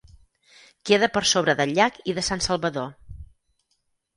Queda per sobre del llac i de San Salvador.